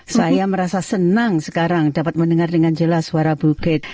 saya merasa senang sekarang dapat mendengar dengan jelas suara bukit